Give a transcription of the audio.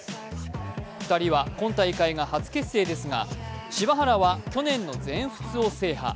２人は今大会が初結成ですが柴原は去年の全仏を制覇。